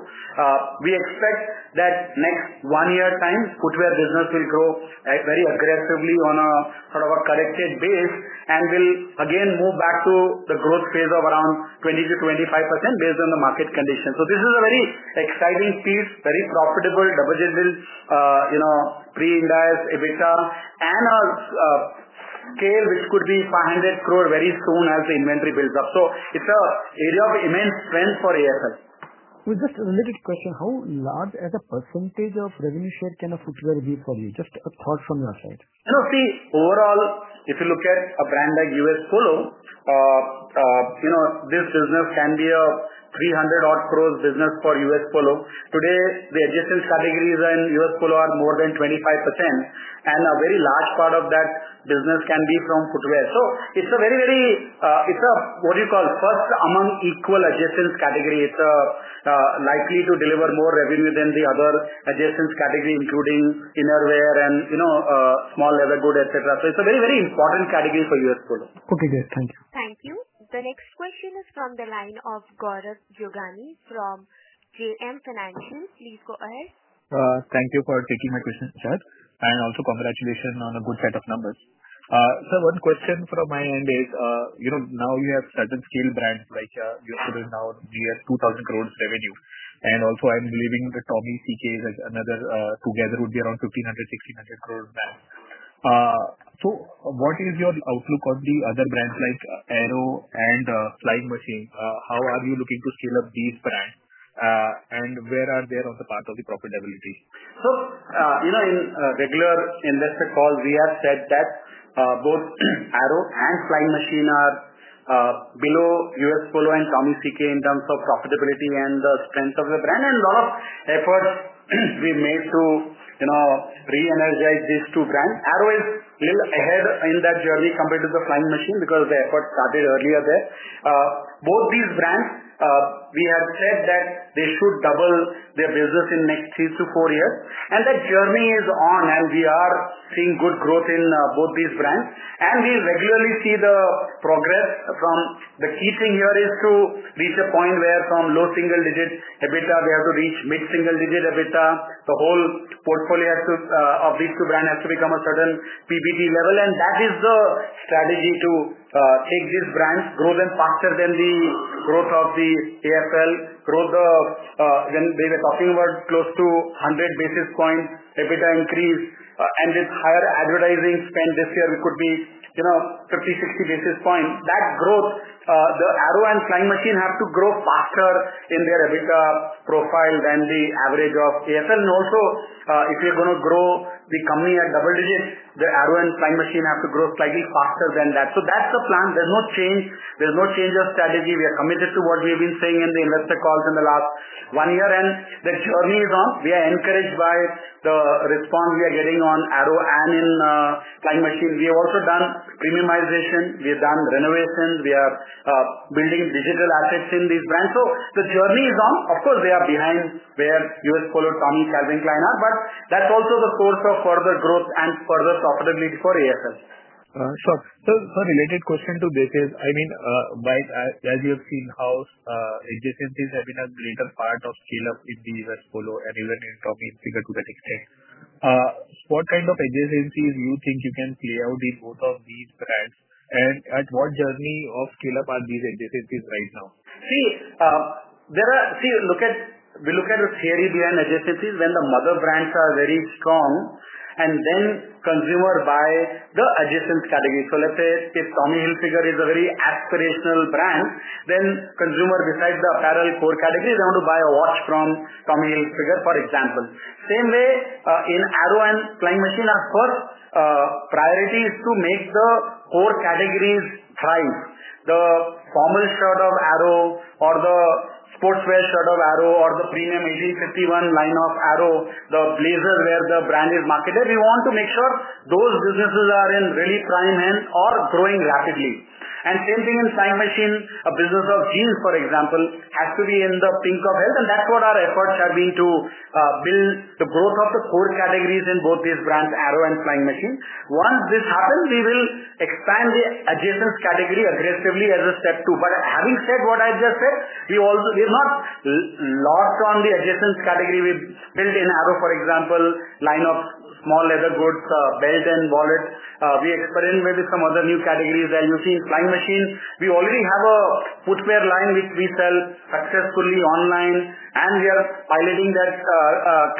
S4: We expect that next one-year time, footwear business will grow very aggressively on a sort of a corrected base. We will again move back to the growth phase of around 20%-25% based on the market conditions. This is a very exciting piece, very profitable, double-digit pre-IndAS EBITDA, and a scale which could be 500 crore very soon as the inventory builds up. It's an area of immense strength for AFL.
S11: Just a related question. How large, as a % of revenue share, can footwear be for you? Just a thought from your side.
S4: You know, overall, if you look at a brand like U.S. Polo, this business can be a 300-odd crore business for U.S. Polo. Today, the adjacent categories in U.S. Polo are more than 25%. A very large part of that business can be from footwear. It is a first among equal adjacent category. It is likely to deliver more revenue than the other adjacent categories, including innerwear and small leather goods, etc. It is a very important category for U.S. Polo.
S11: Okay, great. Thank you.
S1: Thank you. The next question is from the line of Gaurav Jogani from JM Financial. Please go ahead.
S12: Thank you for taking my question, sir. Also, congratulations on a good set of numbers. One question from my end is, you know, now you have certain scale brands U.S. Polo now near 2,000 crores revenue. I'm believing the Tommy, CK together would be around 1,500 crores, 1,600 crores. What is your outlook on the other brands like Arrow and Flying Machine? How are you looking to scale up these brands? Where are they on the path of the profitability?
S4: In a regular investor call, we have said that both Arrow and Flying Machine are below U.S. Polo and Tommy, CK in terms of profitability and the strength of the brand. A lot of efforts were made to re-energize these two brands. Arrow is still ahead in that journey compared to Flying Machine because the effort started earlier there. Both these brands, we have said that they should double their business in the next three to four years. That journey is on, and we are seeing good growth in both these brands. We regularly see the progress. The key thing here is to reach a point where from low single-digit EBITDA, we have to reach mid-single-digit EBITDA. The whole portfolio of these two brands has to become a certain PBT level. That is the strategy to take these brands, grow them faster than the growth of AFL. When they were talking about close to 100 basis points EBITDA increase, and with higher advertising spend this year, we could be 50-60 basis points. That growth, Arrow and Flying Machine have to grow faster in their EBITDA profile than the average of AFL. Also, if we're going to grow the company at double digits, Arrow and Flying Machine have to grow slightly faster than that. That's the plan. There's no change. There's no change of strategy. We are committed to what we've been saying in the investor calls in the last one year. The journey is on. We are encouraged by the response we are getting on Arrow and in Flying Machine. We have also done premiumization. We have done renovations. We are building digital assets in these brands. The journey is on. Of course, they are behind U.S. Polo, Tommy, Calvin Klein are. That's also the source of further growth and further profitability for AFL.
S12: Sir, a related question to this is, I mean, as we have seen how adjacencies have been a greater part of scale-up in U.S. Polo and even in Tommy Hilfiger to that extent. What kind of adjacencies do you think you can play out in both of these brands? At what journey of scale-up are these adjacencies right now?
S4: See, we look at the theory behind adjacencies. When the mother brands are very strong, then consumers buy the adjacent category. Let's say if Tommy Hilfiger is a very aspirational brand, then consumers decide the apparel core category. They want to buy a watch from Tommy Hilfiger, for example. The same way in Arrow and Flying Machine. Of course, priority is to make the core categories thrive. The formal shirt of Arrow or the sportswear shirt of Arrow or the premium 1851 line of Arrow, the places where the brand is marketed, we want to make sure those businesses are in really prime and are growing rapidly. The same thing in Flying Machine. A business of jeans, for example, has to be in the pink of health. That's what our efforts have been to build the growth of the core categories in both these brands, Arrow and Flying Machine. Once this happens, we will expand the adjacent category aggressively as a step two. Having said what I just said, we also did not lost on the adjacent category. We built in Arrow, for example, a line of small leather goods, belts, and wallets. We experimented with some other new categories. You see in Flying Machine, we already have a footwear line which we sell successfully online. We are piloting that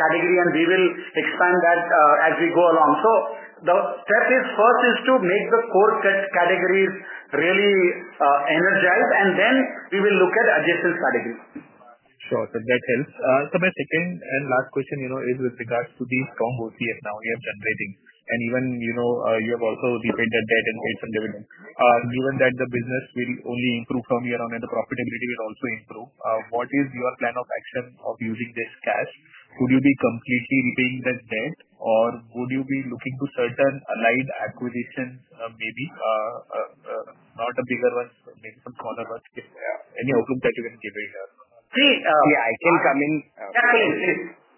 S4: category, and we will expand that as we go along. The step first is to make the core categories really energized, then we will look at adjacent categories.
S12: Sure. That helps. Sir, my second and last question is with regards to the strong OCF now we are generating. You have also repaid that debt and paid some dividends. Given that the business will only improve from year on and the profitability will also improve, what is your plan of action of using this cash? Would you be completely repaying that debt? Would you be looking to certain allied acquisitions, maybe? Not a bigger one, maybe some smaller ones. Any outlook that you can give me here?
S3: Yeah, I think coming.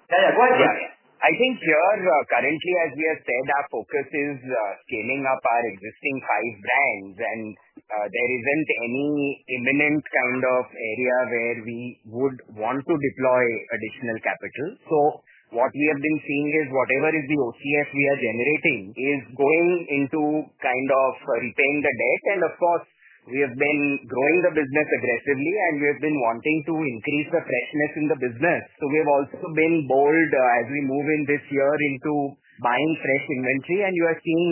S3: Yeah, go ahead, sir. I think here, currently, as we have said, our focus is scaling up our existing five brands. There isn't any imminent kind of area where we would want to deploy additional capital. What we have been seeing is whatever is the OCF we are generating is going into repaying the debt. Of course, we have been growing the business aggressively. We have been wanting to increase the freshness in the business. We have also been bold as we move in this year into buying fresh inventory. You have seen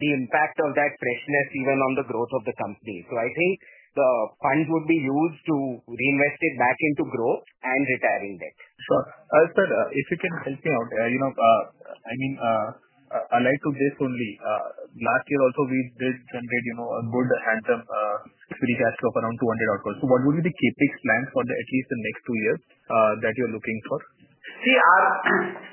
S3: the impact of that freshness even on the growth of the company. I think the funds would be used to reinvest it back into growth and retiring debt.
S12: Sure. Sir, if you can help me out, I mean, allied to this only. Last year also we did generate a good handsome free cash of around 200-odd crores. What would be the CapEx plans for at least the next two years that you're looking for?
S4: See, our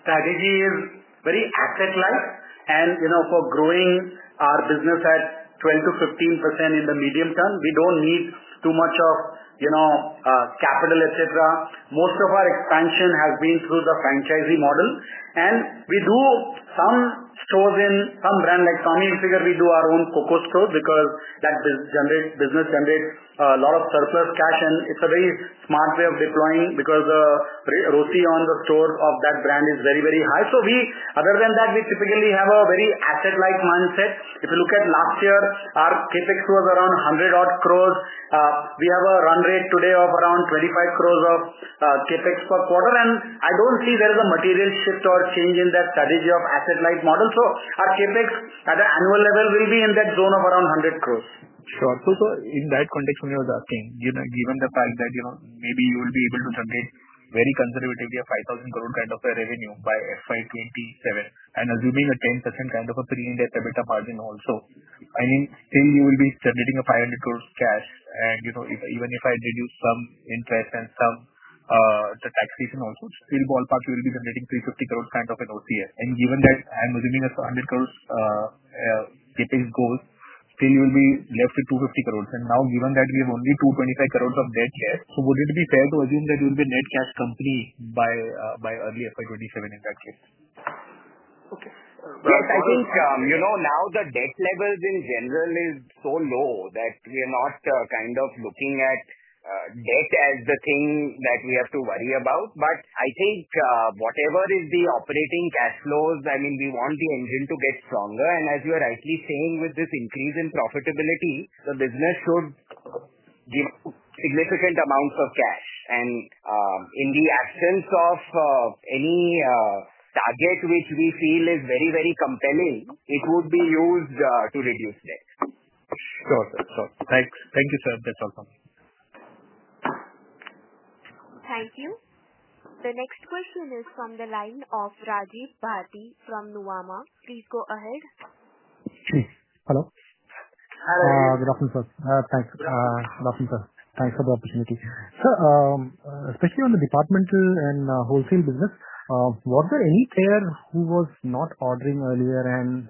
S4: strategy is very asset-light. For growing our business at 12%-15% in the medium term, we don't need too much capital, etc. Most of our expansion has been through the franchisee model. We do some stores in some brands like Tommy Hilfiger. We do our own COCO stores because that business generates a lot of surplus cash, and it's a very smart way of deploying because the ROCE on the store of that brand is very, very high. Other than that, we typically have a very asset-light mindset. If you look at last year, our CapXx was around 100-odd crores. We have a run rate today of around 25 crores of CapEx per quarter. I don't see there is a material shift or change in that strategy of asset-light model. Our CapEx at an annual level will be in that zone of around 100 crores.
S12: Sure. In that context, when I was asking, you know, given the fact that, you know, maybe you will be able to generate very conservatively an 5,000 crore kind of a revenue by FY 2027, and assuming a 10% kind of a pre-IndAS EBITDA margin also, I mean, still you will be generating an 500 crores cash. You know, even if I reduce some interest and some taxation, also still ballpark will be generating 350 crores kind of an OCF. Given that I'm assuming an 100 crore CapEx goal, still you will be left with 250 crores. Now, given that we have only 225 crores of debt left, would it be fair to assume that you would be a net cash company by early FY 2027 in that case?
S3: Okay. I think, you know, now the debt levels in general are so low that we are not kind of looking at debt as the thing that we have to worry about. I think whatever is the operating cash flows, I mean, we want the engine to get stronger. As you are rightly saying, with this increase in profitability, the business should give significant amounts of cash. In the absence of any target which we feel is very, very compelling, it would be used to reduce debt.
S12: Sure, sir. Thank you, sir. That's all from my end.
S1: Thank you. The next question is from the line of Rajiv Bharati from Nuvama. Please go ahead.
S13: Hello. Good afternoon, sir. Thanks for the opportunity. Sir, especially on the departmental and wholesale business, was there any player who was not ordering earlier and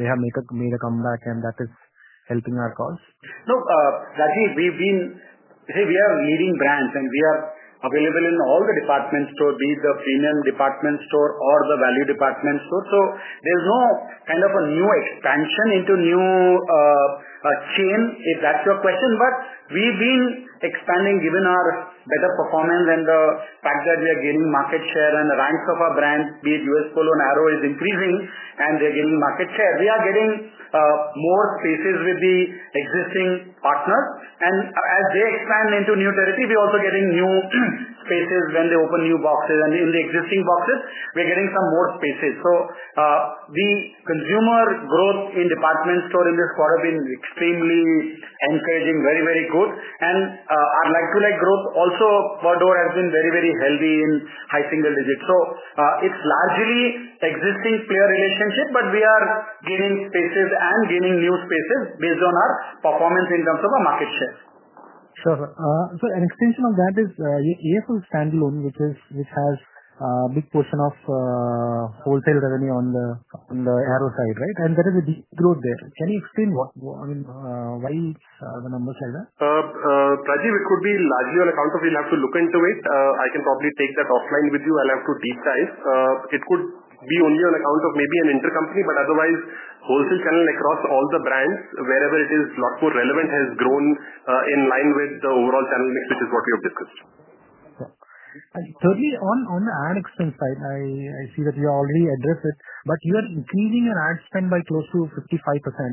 S13: they have made a comeback and that is helping our cause?
S4: No. Rajiv, we've been, say, we are leading brands, and we are available in all the department stores, be it the premium department store or the value department store. There's no kind of a new expansion into a new chain, if that's your question. We've been expanding given our better performance and the fact that we are gaining market share. The ranks of our brands, be U.S. Polo and Arrow, are increasing, and they're gaining market share. We are getting more spaces with the existing partners. As they expand into new territories, we're also getting new spaces when they open new boxes. In the existing boxes, we're getting some more spaces. The consumer growth in department stores in this quarter has been extremely encouraging, very, very good. Our like-to-like growth also per door has been very, very healthy in high single digits. It's largely an existing player relationship, but we are gaining spaces and gaining new spaces based on our performance in terms of our market share.
S13: Sure, sir. An extension of that is AFL stand-alone, which has a big portion of wholesale revenue on the Arrow side, right? There is a de-growth there. Can you explain what I mean, why the numbers are like that?
S2: Rajiv, it could be largely on account of we'll have to look into it. I can probably take that offline with you. I'll have to deep dive. It could be only on account of maybe an intercompany. Otherwise, wholesale channel across all the brands, wherever it is a lot more relevant, has grown in line with the overall channel mix, which is what we have discussed.
S13: On the ad expense side, I see that you already addressed it. You are increasing your ad spend by close to 55%,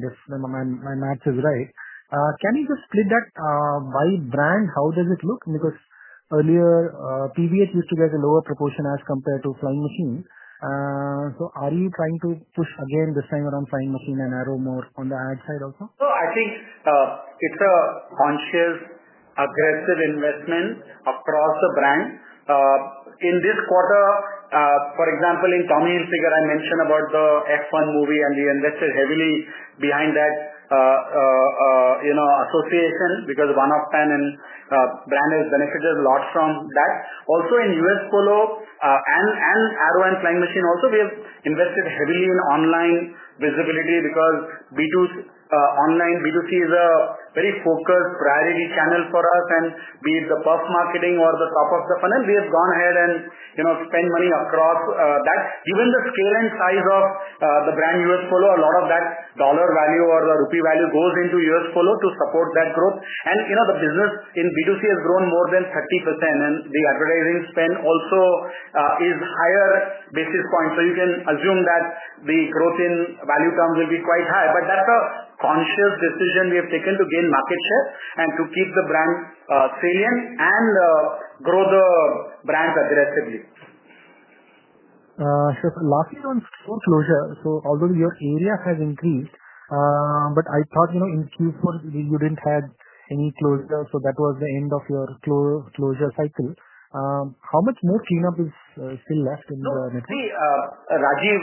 S13: if my math is right. Can you just split that by brand? How does it look? Earlier, PVH used to get a lower proportion as compared to Flying Machine. Are you trying to push again this time around Flying Machine and Arrow more on the ad side also?
S4: I think it's a conscious, aggressive investment across the brand. In this quarter, for example, in Tommy Hilfiger, I mentioned about the F1 movie. We invested heavily behind that association because it was a one-off time and the brand has benefited a lot from that. Also, U.S. Polo and Arrow and Flying Machine, we have invested heavily in online visibility because B2C is a very focused priority channel for us. Whether it is the perf marketing or the top of the funnel, we have gone ahead and spent money across that. Given the scale and size of the brand U.S. Polo, a lot of that dollar value or the rupee value goes into U.S. Polo to support that growth. The business in B2C has grown more than 30%. The advertising spend also is higher basis points. You can assume that the growth in value terms will be quite high. That's a conscious decision we have taken to gain market share and to keep the brand salient and grow the brands aggressively.
S13: Sir, lastly, on store closure. Although your area has increased, I thought in Q4 you didn't have any closure. That was the end of your closure cycle. How much more cleanup is still left in the network?
S4: Rajiv,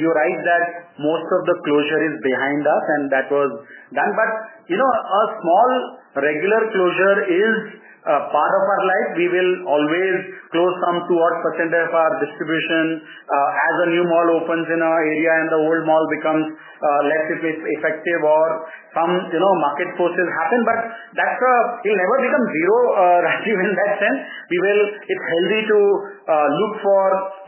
S4: you're right that most of the closure is behind us, and that was done. A small regular closure is part of our life. We will always close some 2%-odd of our distribution as a new mall opens in our area and the old mall becomes less if it's effective or some market forces happen. That never becomes zero, Rajiv, in that sense. It's healthy to look for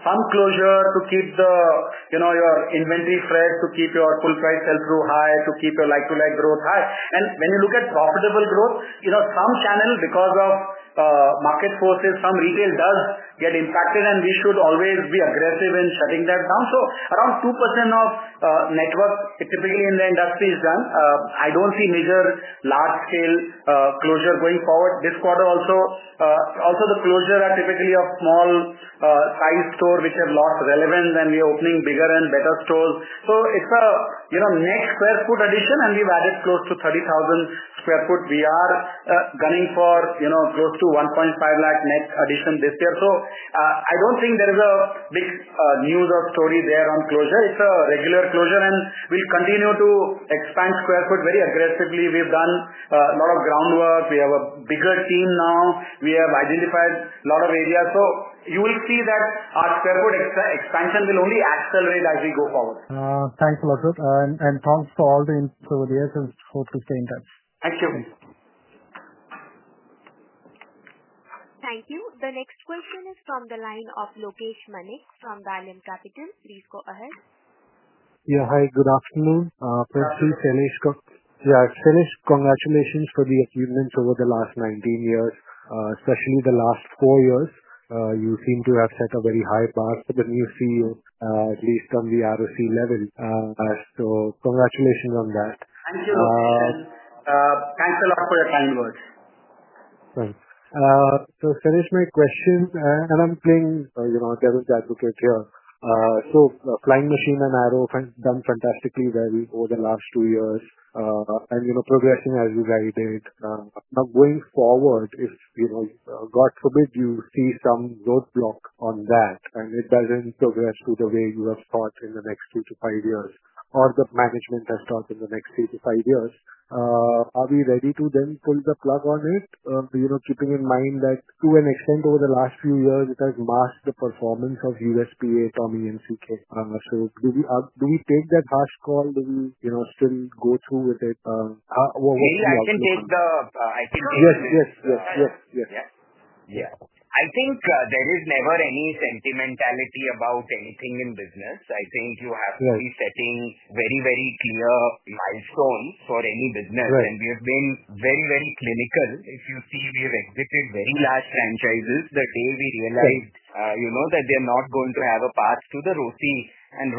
S4: some closure to keep your inventory fresh, to keep your full price sell-through high, to keep your like-to-like growth high. When you look at profitable growth, some channel, because of market forces, some retail does get impacted. We should always be aggressive in shutting that down. Around 2% of network typically in the industry is done. I don't see major large-scale closure going forward this quarter. Also, the closure is typically a small-sized store which has lost relevance, and we are opening bigger and better stores. It's a net square foot addition. We've added close to 30,000 square foot. We are gunning for close to 1.5 lakh net addition this year. I don't think there is a big news or story there on closure. It's a regular closure. We'll continue to expand square foot very aggressively. We've done a lot of groundwork. We have a bigger team now. We have identified a lot of areas. You will see that our square foot expansion will only accelerate as we go forward.
S13: Thanks a lot, sir. Thanks for all the input. Hope to stay in touch.
S4: Thank yoThank you. The next question is from the line of Lokesh Manik from Vallum Capital. Please go ahead.
S14: Hi. Good afternoon. Firstly, Shailesh, congratulations for the achievements over the last 19 years, especially the last four years. You seem to have set a very high bar for the new CEO, at least on the ROCE level. Congratulations on that.
S4: Thank you. Thanks a lot for your kind words.
S14: Thanks. To finish my question, I'm playing, you know, a devil's advocate here. Flying Machine and Arrow have done fantastically well over the last two years, and you know, progressing as you guys did. Now, going forward, if, you know, God forbid, you see some roadblock on that and it doesn't progress the way you have thought in the next three to five years, or the management has thought in the next three to five years, are we ready to then pull the plug on it? Keeping in mind that to an extent over the last few years, it has masked the performance of USPA, Tommy and CK. Do we take that harsh call? Do we still go through with it?
S3: I can take that. I think there is never any sentimentality about anything in business. I think you have to be setting very, very clear milestones for any business. We have been very, very clinical. If you see, we have exited very large franchises the day we realized, you know, that they're not going to have a path to the ROCE.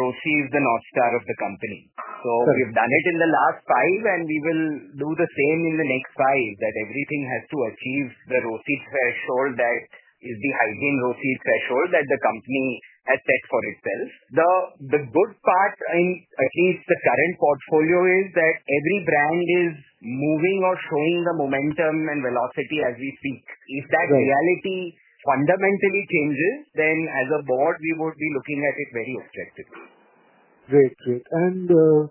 S3: ROCE is the north star of the company. We've done it in the last five, and we will do the same in the next five, that everything has to achieve the ROCE threshold that is the hygiene ROCE threshold that the company has set for itself. The good part in at least the current portfolio is that every brand is moving or showing the momentum and velocity as we speak. If that reality fundamentally changes, then as a Board, we would be looking at it very objectively.
S14: Great, great. Kulin, do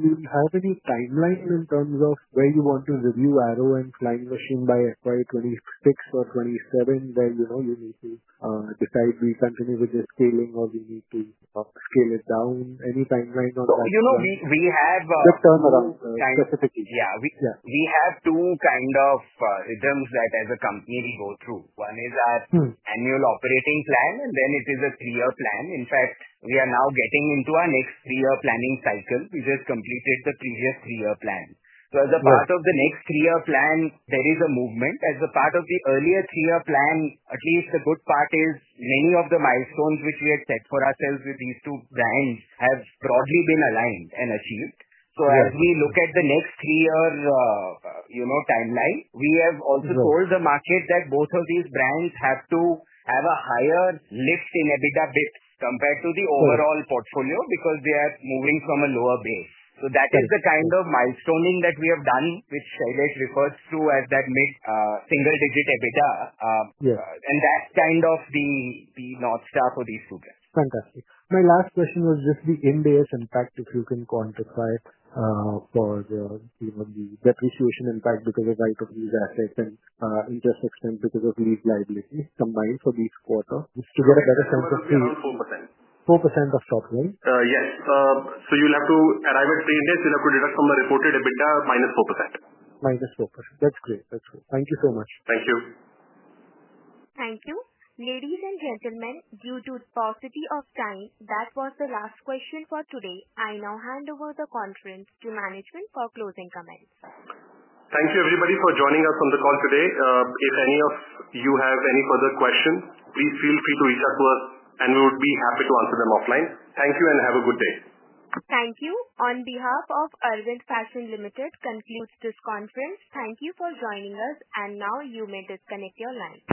S14: you have any timelines in terms of when you want to review Arrow and Flying Machine by FY 2026 or 2027? When you need to decide we continue with the scaling or we need to scale it down? Any timeline on that?
S3: We have. we have two kind of items that as a company we go through. One is our annual operating plan, and then it is a three-year plan. In fact, we are now getting into our next three-year planning cycle. We just completed the previous three-year plan. As a part of the next three-year plan, there is a movement. As a part of the earlier three-year plan, at least a good part is many of the milestones which we have set for ourselves with these two brands have broadly been aligned and achieved. As we look at the next three-year, you know, timeline, we have also told the market that both of these brands have to have a higher lift in EBITDA bps compared to the overall portfolio because they are moving from a lower base. That is the kind of milestoning that we have done, which Shailesh refers to as that mid-single-digit EBITDA. That's kind of the north star for these two brands.
S14: Fantastic. My last question was, does the IndAS impact, if you can quantify it, for the, you know, the depreciation impact because of right-of-use assets and interest expense because of lease liabilities combined for this quarter? Just to get a better sense of feeling.
S2: 4%.
S14: 4% of stock, right?
S2: You'll have to, at average pre-IndAS, deduct from the reported EBITDA -4%.
S14: -4%. That's great. That's great. Thank you so much.
S2: Thank you.
S1: Thank you. Ladies and gentlemen, due to the sparsity of time, that was the last question for today. I now hand over the conference to management for closing comments.
S2: Thank you, everybody, for joining us on the call today. If any of you have any further questions, please feel free to reach out to us, and we would be happy to answer them offline. Thank you and have a good day.
S1: Thank you. On behalf of Arvind Fashions Ltd, this concludes this conference. Thank you for joining us. You may now disconnect your lines.